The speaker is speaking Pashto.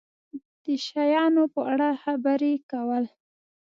د شیانو په اړه خبرې کول